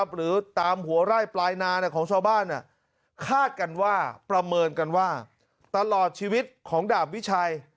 หรือตามหัวไร่ปลายนาของชาวบ้านคาดกันว่าประเมินกันว่าตลอดชีวิตของดาบวิชัย